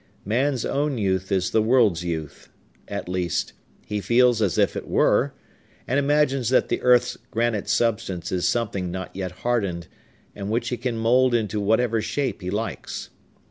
Man's own youth is the world's youth; at least, he feels as if it were, and imagines that the earth's granite substance is something not yet hardened, and which he can mould into whatever shape he likes.